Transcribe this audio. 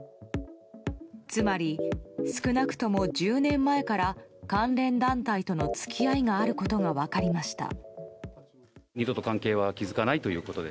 つまり、少なくとも１０年前から関連団体との付き合いがあることが分かりました。